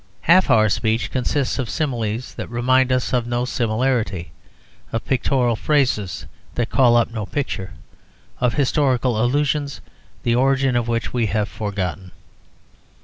Half our speech consists of similes that remind us of no similarity; of pictorial phrases that call up no picture; of historical allusions the origin of which we have forgotten.